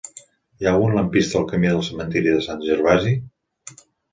Hi ha algun lampista al camí del Cementiri de Sant Gervasi?